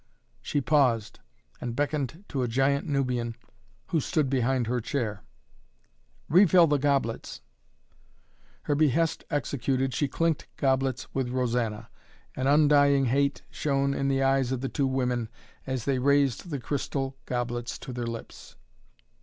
She paused and beckoned to a giant Nubian who stood behind her chair. "Refill the goblets!" Her behest executed she clinked goblets with Roxana. An undying hate shone in the eyes of the two women as they raised the crystal goblets to their lips.